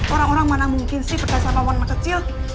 orang orang mana mungkin sih percaya sama warna kecil